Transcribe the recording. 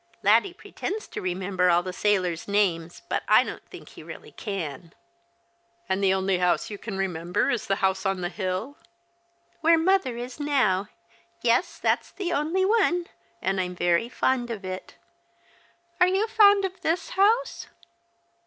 Laddie pretends to remember all the sailors' names, but I don't think he really can." The Christmas Hirelings. 151 " And the only house yon can remember is the house on the hill ?"" T\Tiere mother is now — yes, that's the only one. and I'm very fond of it. Are you fond of this house